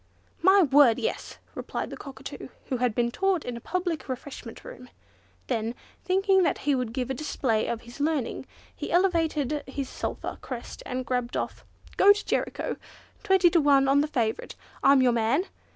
"My word! yes," replied the Cockatoo, who had been taught in a public refreshment room. Then, thinking that he would give a display of his learning, he elevated his sulphur crest and gabbled off, "Go to Jericho! Twenty to one on the favourite! I'm your man!